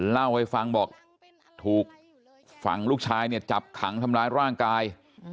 เล่าให้ฟังบอกถูกฝั่งลูกชายเนี่ยจับขังทำร้ายร่างกาย